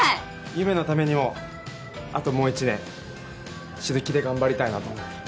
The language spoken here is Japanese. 夢芽のためにもあともう１年死ぬ気で頑張りたいなと思って。